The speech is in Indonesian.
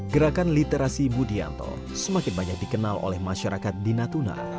gerakan literasi budianto semakin banyak dikenal oleh masyarakat di natuna